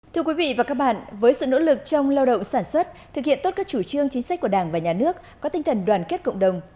thưa quý vị và các bạn với sự nỗ lực trong lao động sản xuất thực hiện tốt các chủ trương chính sách của đảng và nhà nước có tinh thần đoàn kết cộng đồng